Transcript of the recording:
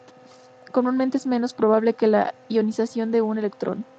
Comúnmente es menos probable que la ionización de un electrón.